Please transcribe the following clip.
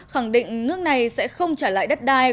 khẳng định nước này sẽ không trả lại đất đai